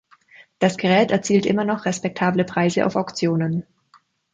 Das Gerät erzielt immer noch respektable Preise auf Auktionen.